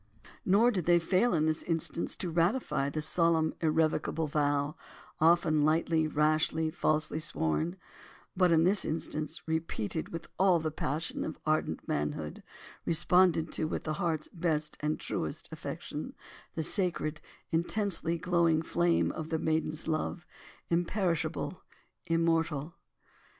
Nor did they fail in this instance to ratify the solemn, irrevocable vow, often lightly, rashly, falsely sworn, but in this instance repeated with all the passion of ardent manhood, responded to with the heart's best and truest affection, the sacred, intensely glowing flame of the maiden's love, imperishable, immortal.